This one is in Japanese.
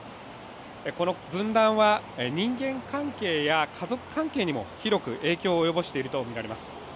この分断は、人間関係や家族関係にも広く影響を及ぼしているとみられます。